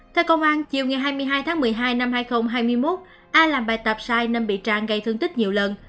theo công an chiều ngày hai mươi hai tháng một mươi hai năm hai nghìn hai mươi một a làm bài tập sai nên bị trang gây thương tích nhiều lần